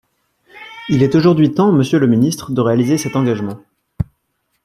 Il est aujourd’hui temps, monsieur le ministre, de réaliser cet engagement.